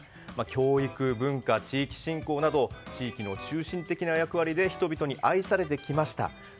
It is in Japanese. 教育、文化、地域振興など地域の中心的な役割で人々に愛されてきました。